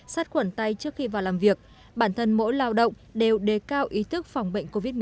sát khuẩn tay trước khi vào làm việc bản thân mỗi lao động đều đề cao ý thức phòng bệnh covid một mươi chín